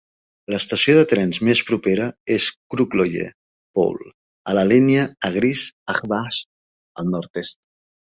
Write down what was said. L'estació de trens més propera es Krugloye Pole, a la línia Agryz-Akbash, al nord-est.